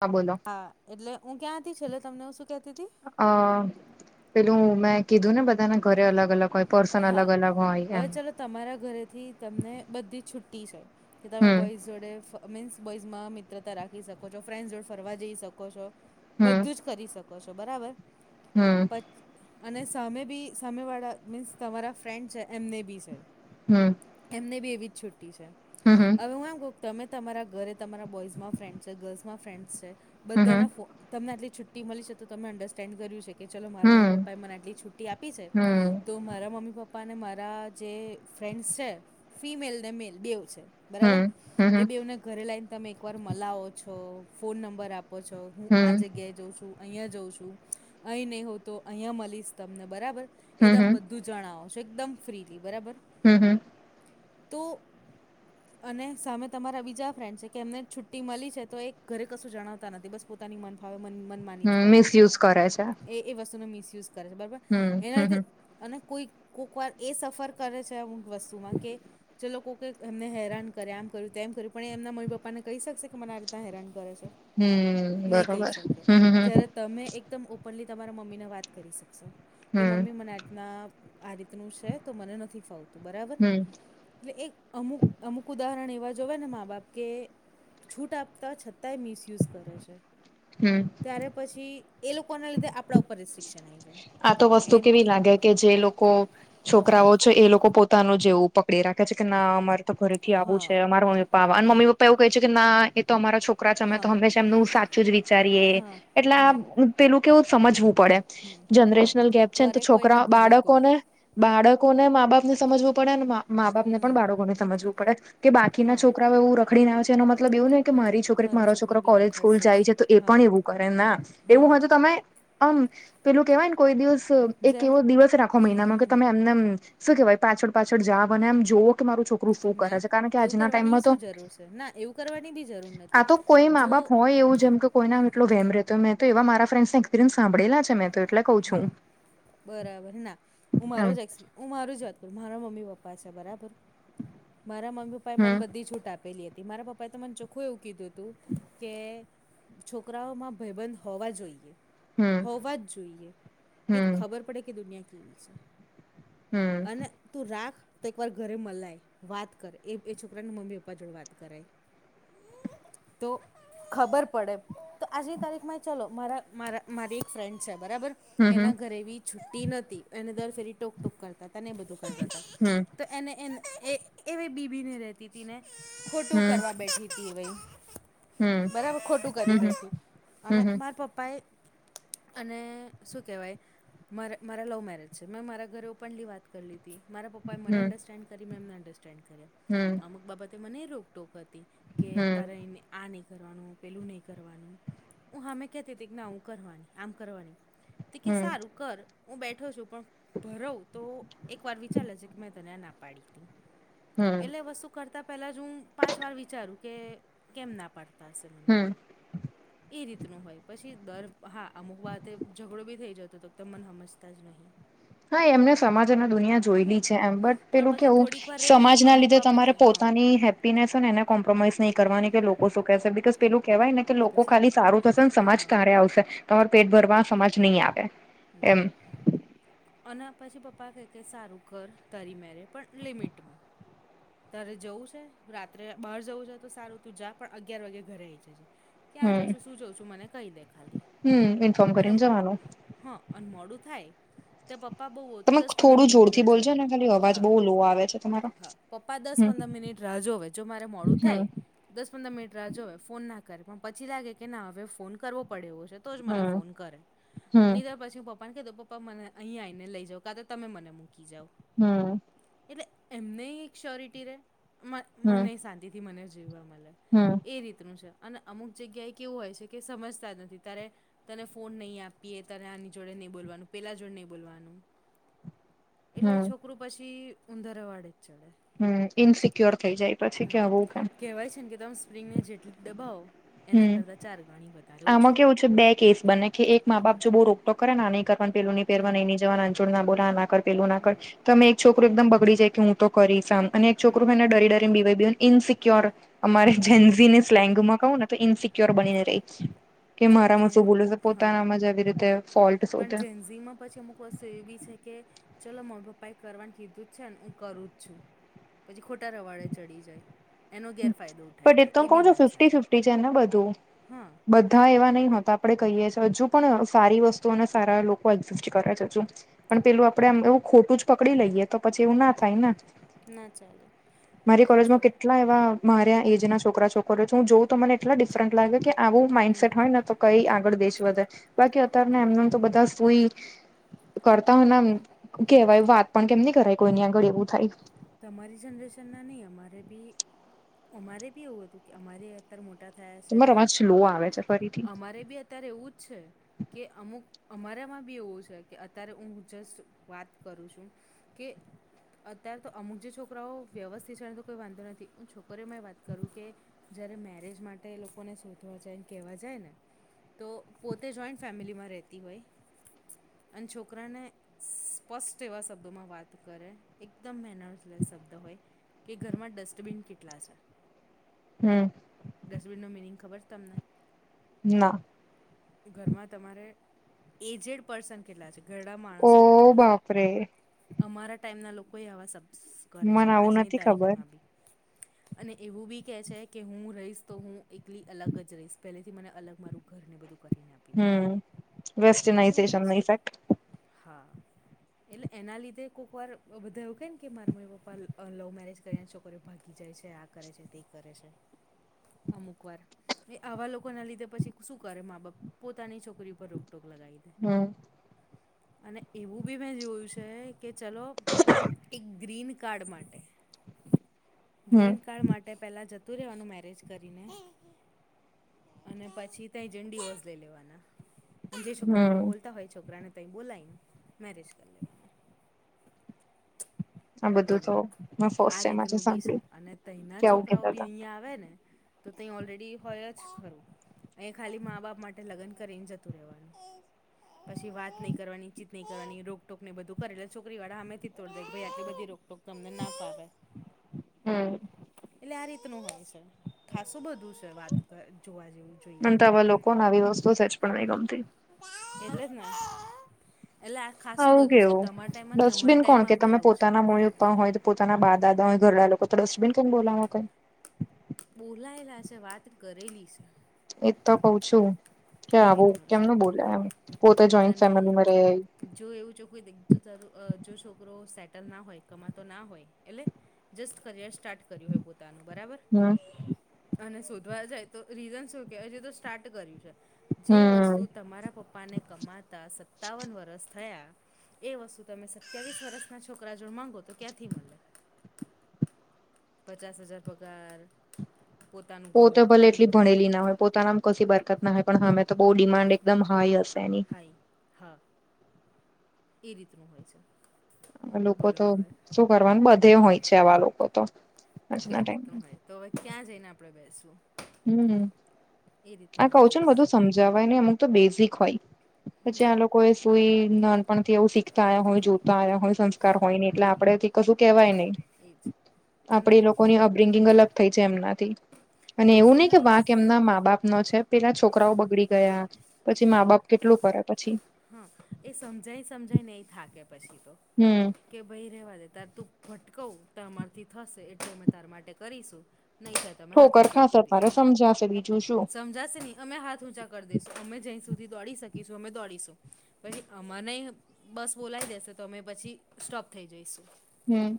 હા બોલો. હા એટલે હું ક્યાં હતી છેલ્લે તમને હું શું કેતી હતી અ પેલું મેં કીધું ને બધાના ઘરે અલગ અલગ હોય. પર્સન અલગ હા અલગ હોય અવે એમ ચલો તમારા ઘરેથી તમને બધી છુટ્ટી છે કે તમે હમ બોઈઝ જોડે મીન્સ બોઝમાં મિત્રતા રાખી શકો છો ફ્રેન્ડ જોડે ફરવા જઈ શકો છો હમ બધું જ કરી શકો છો બરાબર હમ પ અને સામે બી સામેવાળા મીન્સ તમારા ફ્રેન્ડ છે એમને બી છે. હમ. એમને બી એવી જ છુટ્ટી છે હમ હવે હું એમ કહું તમે તમારા ઘરે તમારા બોઇઝમાં ફ્રેન્ડ્સ છે ગર્લ્સમાં ફ્રેન્ડ્સ છે હમ હમ બધાના ફો તમને આલી છુટી મળી છે તો તમે અંડરસ્ટેન્ડ કર્યું છે કે ચલો મારાં મમ્મી હમ પાપાએ મને આટલી છુ ટી આપી છે હમ તો મારા. મમ્મી પપ્પા અને મારા જે ફ્રેન્ડસ છે ફિમેલ ને મેલ બેઉ છે હમ બરાબર હમ એ હમ બેને ઘરે લઈને તમે એકવાર મલાવો છો ફોન નંબર આપો છો હું હમ આ જગ્યાએ જઉં છું અહિયાં જાઉં છું અહીં નહી હોઉ તો અહિયા મળીશ તમને બરાબર એ તમે હમ બધું જણાવો છો એકદમ ફ્રીલી બરાબર. હમ હમ. તો. અને સામે તમારા બીજા ફ્રેન્ડ છે કે એમને છુટ્ટી મળી છે તો એ ઘરે કશું જણાવતા નથી બસ પોતાની મન ફાવે મનમાની જ હમ કરે છે મિસયુઝ કરે છે. એ. એ વસ્તુનો મિસયુઝ કરે છે બરોબર હમ એના હમ લીધે. હમ અને કોઈ કોઈક વાર એ સફર કરે છે અમુક વસ્તુમાં કે. જે લોકો કહે એમને હેરાન કરે આમ કર્યું તે એમ કર્યું પણ એમના મમી પપ્પાને કહી શકશે કે મને આ રીત હેરાન કરે છે હમ નહીં કહી બરોબર શકે હમ હમ જ્યારે હમ તમે એકદમ ઓપનલી તમારા મમ્મીને વાત કરી શકશો કે હમ મમ્મી મને આ ના આ રીતનું છે તો મને નથી ફાવતું બરાબર. હમ એટલે એક અમુક અમુક ઉદાહરણ એવા જોવે ને મા બાપ કે. છૂટ આપતા છતાંય મિસયુઝ કરે છે. હમ ત્યારે પછી એ લોકો ના લીધે આપડા ઉપર રિસ્ટ્રિક્શન આવી જાય. આ તો વસ્તુ એન કેવી લાગે કે જે લોકો હમ છોકરાઓ. એ લોકો પોતાનું જેવું પકડી રાખે છે કે ના અમારે તો ઘરેથી આવું હા છે અમારા મમ્મી પપા આવા અને હા મમ્મી પપ્પા એવું કહે છે કે ના એ તો અમારા છોકરા છે અમે તો હા હંમેશા એમનું સાચું જ વિચારીએ હા એટલા હા પેલું કેવું સમજવું પડે. હમ જનરેશનલ ગેપ છે ને તો કરે કોઈને છોકરા ભરે કોઈ બાળકોને બાળકોને મા બાપ ને સમજવું પડે ને માં મા બાપ ને પણ હમ બાળકોને સમજવું પડે કે બાકી ના હા છોકરાઓ એવું રખડીને આવે છે એનો મતલબ એવું નઈ કે મારી છોકરી મારો છોકરો બી કોલેજ સ્કૂલ રખડશે જ જાય છે તો એ હા પણ એવું કરે ના હા એવું હોય તો તમે આમ પેલું કેવાયને કોઈ દિવસ એક જેમ એવો દિવસ રાખો મહિનામાં કે હમ તમે એમને શું કેવાય પાછળ પાછળ જાવા બને એમ જોઓ. તો મારું છોકરું શું ના કરે છે કારણ કે એવું આજના કરવાની ટાઈમમાં તો શું જરૂર છે ના એવું કરવાની બી જરૂર આ નથી તો કોઈ મા જો બાપ હોય એવું જેમ કે. કોઈના માં એટલો વેમ રહેતો મે તો એવા મારા ફ્રેન્ડસને એક્પરિયસ સાંભળેલા છે મે. હા બરાબર ના હું મારો એમ જ એક્સ હું મારુ જ વાત કરું મારા મમ્મી પપ્પા છે બરાબર મારા મમ્મી પપ્પા એ મને હમ બધી છૂટ આપેલી હતી મારા પપ્પા એ તો મને ચોખ્ખું એવું કીધું હતું કે છોકરાઓમાં ભાઈબંધ હોવા જોઈએ હમ હોવા જ જોઈએ કે હમ ખબર પડે કે દુનિયા કેવી છે હમ અને તું રાખ તો એક વાર ઘરે મલાય વાત કરાય એ છોકરાના મમ્મી પપ્પા જોડે વાત કરાય તો. ખબર પડે તો આજની તારીખમાં ચાલો મારા મારી એક ફ્રેન્ડ છે બરાબર. હમ એના હમ ઘરે બી છુટ્ટી નતી એને દર ફેરી ટોક ટોક કરતા હતા ને એ બધું કરતા હતા. હમ્મ. તો એને એને એ એવી બીબી ને રતી હતીને ખોટું હમ કરવા બેઠી. ઇ વઇ હમ બરાબર ખોટું કરી હમ બેઠી હમ અને હમ મારા પપ્પા એ. અને શું કેહેવાય મારા મારા લવ મેરેજ છે મેં મારા ઘરે ઓપનલી વાત કરી લીધી મારા પપ્પા એ મનેં અંડરસ્ટેન્ડ કરી મે એમને અંડરસ્ટેન્ડ કર્યા. હમ્મ. અમુક બાબતે મને રોકટોક હતી કે હમ હમ તારે એ આ નહીં કરવાનું પેલું નહીં કરવાનું હ હામેં હું કહેતી હતી કે ના હું કરવાની આમ કરવાની. તે કે સારું કર હું બેઠો છું. પણ ભરવ તો એક વાર વિચારી લેજે કે મેં તને આ ના પાડી હતી. હમ એટલે એ વસ્તુ કરતા પહેલા જ હું પાંચ વાર વિચારું કે કેમ ના પાડી. તા સે મને હમ એ રીતનું હોય પછી દર હા અમુક વાતે ઝઘડો બી થઈ જતો હતો તમે મને હમજતા જ નહી. હા એમને સમાજ અને દુનિયા જોયેલી હા છે એમ બટ પણ પેલું પછી કેવું થોડીક વાર રહીને સમાજ ના અમુક લીધે બાબત તમારે હા પોતાની હેપીનેસને એને કોમ્પ્રોમાઈઝ નહીં કરવાની કે લોકો શું કેશે. બિકોઝ પેલું કેહેવાય ને કે લોકો પછી ખાલી સારું થશે ને હા સમાજ તારે આવશે. તમારૂ પેટ ભરવા સમાજ નહીં આવે. ના. એમ. અને પછી પપ્પા કેય કે સારું કર તારી મેળે પણ લિમિટમાં. તારે જવું છે રાત્રે બહાર જવું છે તો સારું તું જા પણ અગિયાર વાગે ઘરે આઇ જજે. ક્યાં જાઉં હમ છું શું જઉં છું મને કહી દે ખાલી હમ ઇન્ફોર્મ અને કરીને જવાનું હ અને મોડું થાય ત્યાં પપ્પા બહુ હોય તો તમે દસ પંદર થોડું મિનિટ જોરથી રાહ બોલજો જોવે ને ખાલી અવાજ હા બહુ લો આવે છે તમારો હા. પપ્પા દસ હમ પંદર મિનિટ રાહ જોવે જો મારે મોડું હમ થાય દસ પંદર મિનિટ રાહ જોવે ફોન ના કરે પણ પછી લાગે કે ના હવે ફોન કરવો પડે એવો છે. તો જ મને હમ ફોન કરે હમ ની તો પછી પપ પાને કહી દો પપ્પા મને અહીં આઇને લઈ જાવ કા તો તમે મને મૂકી જાવ. હમ્મ. એટલે એમને એક શ્યોરિટી રે મન મનેય શાંતિથી મને જીવવા મલે. હમ્મ. એ રીતનું છે અને અમુક જગ્યાએ કેવું હોય છે કે સમજતા જ નથી ત્યારે તને ફોન નહીં આપીએ તને આની જોડે નહીં બોલવાનું પેલા જોડે નહીં બોલવાનું. એટલે હમ છોકરું પછી ઊંધા રવાળે જ ચડે. હમ્મ ઇનસિક્યોર થઇ જાય. પછી કે હમ્મ આવું કેમ કહેવાય છે ને કે તમે સ્પ્રિંગને જેટલી દબાવો એના કરતાં ચાર ગણી વધારે ઉછળે. તો બે કેસ બને કે એક મા બાપ જો બહુ રોક ટોક કરેને આ નહીં કરવાનું પેલુંની પહેરવા હમ નઈની જવા આન જોડ ના બોલા આ નાક કર પેલું ના કર હમ તો અમે એક છોકરો એકદમ બગડી જાય કે હું તો કરીશ આમ અને એક છોકરું હમ. હેને ડરી ડરીને બીવે બિવે ઇનસિક્યોર અમારે જૈનજીની સ્લેંગમાં. કહું ને તો ઇનસિક્યોર બનીને રહેજ. કે ચલો મારામાં જેન શું બોલે છે પોતાનામાં જ આવી રીતે ફોલ્ટ શોધે. જીમા પછી મુ, વસ્તુ એ બી છે કે ચલો મારી પપ્પા એ કરવાનું કીધું જ છે ને હું કરું છું. પછી ખોટા રવાડે ચડી જાય. એનો ગેરફાયદો ઉઠાવી બટ દે એતો એ કઉ બી છું ના ફિફ્ટી ચાલે ફિફ્ટી છે ને બધું હા. બધ ધા એવા નહી હોતા આપડે કહીએ છીએ હજુ પણ સારી વસ્તુઓને સારા લોકો એક્ઝિસ્ટ કરે છે હજુ, પણ પેલું આપડે ખોટું જ પકડી લઈએ તો પછી એવું ના થાય ને, ના ચાલે, મારી જો કોલેજમાં કેટલા એવા મારયા એજના છોકરા છોકરીઓ છે હું જોઉં તો મને એટલા ડિફરન્ટ લાગે કે, આવું માઇન્ડસેટ હોય ને તો કઈ આગળ દેશ વધે બાકી અત્યારને એમને તો બધા સુઈ, કરતા હોયને એમ કેહેવાય વાત પણ કેમની કરાય કોઈની આગળ એવું થાય. તમારી જનરેશનના નહીં અમારે બી, અમારે બી એવું હતું કે અમારે, તારે મોટા થયા છે એમાં રવાજ સ્લો આવે છે ફરીથી અમારે બી અત્યારે એવું જ છે. કે અમુક અમારામાં બી એવું છે કે અત્યારે હું જસ્ટ વાત કરું છું. કે અત્યાર, તો અમુક જે છોકરાઓ વ્યવસ્થિત છે તો કોઈ વાંધો નથી અને છોકરીઓમાં એ વાત કરું કે, જયારે મેરેજ માટે એ લોકોને શોધવા જાય કેવા જાય ને, તો પોતે જોઈન્ટ ફેમિલીમાં રહેતી હોય, અન છોકરાને સ્પષ્ટ એવા શબ્દોમાં વાત કરે એક, દમ મેનરશ લેસ શબ્દ હોય કે ઘરમાં ડસ્ટબિન કેટલા છે. હમ્મ, ડસ્ટબિનનો મિનિંગ ખબર છ તમને, ના, ઘરમાં તમારે એજેડ પર્સન કેટલા છે. ઘરડા ઓ માણસો કેટલા છે બાપરે અમારા ટાઈમના લોકોએ આવા શબ શ કરે છે મને આવું આજની નથી ખબર તારીખમાં બી, અને એવું બી કે છે કે હું રહીશ તો હું એકલી અલગ જ રહીશ પહેલેથી મને અલગ મારું, ઘરને બધું કરીને આપ, હમ્મ, એવું બી છે હા, એટલે એના લીધે કોક વાર બધા એવું કને કે મારા મમ્મી પપ્પા લવ મેરેજ કર્યા છોકરીઓ, ભાગી જાય છે આ કરે છે તે કરે છે, અમુક વાર એ આવા લોકોના લીધે પછી શું કરે મા બાપ પોતાની છોકરી પર રોક ટોક લગાઈ. હમ્મ, અને એવું બી મેં જોયું છે કે ચલો એક ગ્રીન કાર્ડ માટે, હમ ગ્રીન કાર્ડ માટે પહેલા જતું રહેવાનું મેરેજ કરીને, અને પછી તઈ જઇન ડીવોસ લઈ લેવાના જે છોકરા હમ જોડે બોલ તા હોય છોકરાને ત્યાં બોલાઈન મેરેજ કરી લેવાના. આ બધું બોલો તો મેં આ ફર્સ્ટ ટાઈમ આજે રીતનું બી છે સાંભળ્યું અને તઈના કે આવું છોકરાઓ કેતા બી હતા અહિયા આવે ને, તો તે ઓલરેડી હોય જ ખરું અહીંયા ખાલી મા બાપ માટે લગન કરીને જત તું રહેવાનું. પછી વાત નહીં કરવાની, ચીત નહીં કરવાની રોકટોક ને બધું કરે એટલે છોકરી વાળા હામેથી તોડદે ભાઈ આટલી બધી રોકટોક, તમને ના ફાવે, હમ્મ, એટલે આ રીતનું હોય છે, ખાસું બધું છે વાત જોવા જેવું. એ તો આવા લોકોન આવી વસ્તુ સેજ પણ નહી ગમતી એટલે જ ને એટલે ખાસું આવું બધું છે કેવું તમારા ટાઈમમાં ને અમારા ડસ્ટબિન કોણ કે ટાઈમમાં બી તમે આવું છે પોતાના મૂળ ઉપર હોય. પોતાના બા દાદા હોય ઘરડા લોકો તો ડસ્ટબિન કઈ બોલાવો કઈ બોલાયેલા છે વાત કરેલી છે. એ તો કઉ છુ, કે એ આવું રીતનું છે કેમનુ બોલાય એમ પોતે જોઈન્ટ અને ફેમિલીમાં રહે જો એવું જો કોઈ દીખતુ જો છોકરો સેટલ ના હોય, કમાતો ના હોય એટલે જસ્ટ કરિયર સ્ટાર્ટ કર્યુ હોય, પોતાનું બરાબર હમ્મ અને શોધવા જાય, તો રીઝન શુ કે હજ તો સ્ટાર્ટ કર્યું છે. જે હમ વસ્તુ તમારા પપ્પાને કમાતા સત્તાવન વર્ષ થયા. એ વસ્તુ તમે સત્યાવીસ વર્ષના છોકરા જો માંગો તો ક્યાંથી મળે પચાસ હજાર પગાર, પોતાનું ઘર, પોતાની ગાડી. પોતાનામાં કોશી બરકત ના હોય પણ, અમે તો બહુ ડિમાન્ડ એકદમ હાઈ હશે એની હા એ રીતનુ હોય છે. લોકો બોલો તો હવે શું કરવાનું બધે હોય છે, આવા લોકો તો આ આજના રીતનુ ટાઈમમાં હોય તો, હવે ક્યાં જઈને આપડણે બેસવુ હમ્મ આ કઉ છુ, ને બધું સમજાવય ને અમુક તો બેઝિક હોય. પછી આ લોકો એ સુઈ નાનપણ થી એવુ શીખતા આ્યા હોય જોતા આ્યા હોય, સસ્કાર હોય ને એટલે આપડે કશું કેવાય નહી એજ આપડી એ લોકોની અપબ્રિંગિંગ અલગ થઈ છે, એમનાથી. અને એવુ નહિ, કે વેસ્ટર્નાઇઝ વાક એમના મા બાપનો છે. પેલા છોકરાઓ બગડી ગયા, પછી મા બાપ કેટલું કરે પછી. હા એ સમજાય સમજાય ને એ થાકે પછી તો હમ્મ કે ભાઈ રેવા દે તાર તું ભટકાવુ તો અમારથી થશે એટલે અમે તાર માટે કરીશુ નહી સા તમે હાથ ઠોકર હટા ખાશે તારે સમજાશે બીજું શું કરીશ જશે નહી અમેાથ ઊંચા કરી દઈશુ, અમે જ્યા સુધી દોડી શકીશું અમે દોડીશું પછી અમને બસ બોલાય દેશે તો અમે પછી સ્ટોપ થઈ જઈશુ હમ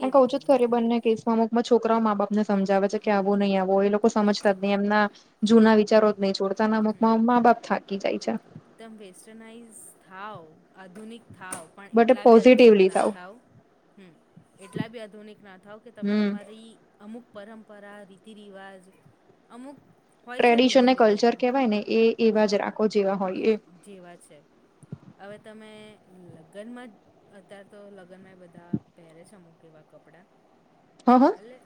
અને કઉ છુ, ખરે બંને કેસમાં અમુક માં છોકરાઓ મા બાપ ને સમજાવે છેકે, હમ આવું નહી, આવો એ લોકો સમજતા જ હમ નહી એમના જૂના વિચારો જ નહી જોડતા હમ અમુખમાં મા બાપ થાકી જાય છે. વેસ્ટર્નાઈઝ થાવ આધુનિક થાવ. પણ બટ એટલા બી આધુનિક પોઝિટિવલી થાવ નાથાઓ હમ એટલા બી આધુનિક ના થાવ કે તમે હમ તમારી અમુક પરંપરા રીતિ રિવાજ અમુ ટ્રેડિશન ને કલ્ચર કેવાય ને એ એવા જ હા રાખો જેવા હોય, એ જેવા છે, હવે તમે લગ્નમા અત્યારે તો લગ્નમાં એ બધા પહેરે છે, અમુક એવા કપડા હા હા એટલે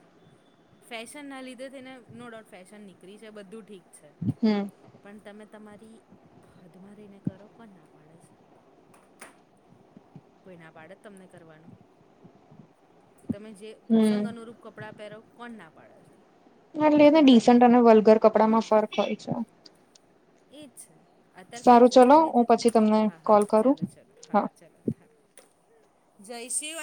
ફેશન ના લીધે થઈને નો ડાઉટ ફેશન નીકળી છે, બધું ઠીક છે. હમ્મ પણ તમે તમારી હદમાં રહીને કરો કોન ના પાડે છ? કોઈ ના પાડે છે તમને કરવાનું તમે જે પ્રસંગ હમ અનુરૂપ કપડાં પહેરો. કોણ ના પાડે છે? મને લાગે પણ તમે ડીસન્ટ અને વલગર કપડામાં ફર્ક હોય છે. એજ છે, અત્યારે સારું ફેશન ના ચલો લીધે હું છે પછી ને તમને હા હા કોલ કરું ચલો ચલો હા ચલો. હા જય શિવા....